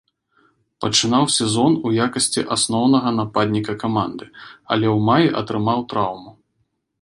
Пачынаў сезон у якасці асноўнага нападніка каманды, але ў маі атрымаў траўму.